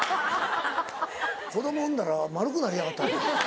子供産んだらまるくなりやがった。